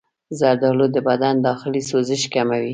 زردآلو د بدن داخلي سوزش کموي.